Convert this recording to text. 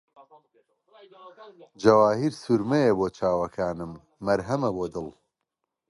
جەواهیرسورمەیە بۆ چاوەکانم، مەرهەمە بۆ دڵ